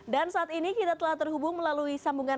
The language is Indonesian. dan saat ini kita telah terhubung melalui sambungan skype